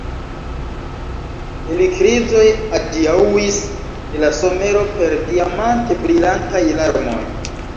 Helikrizoj adiaŭis de la somero per diamante brilantaj larmoj.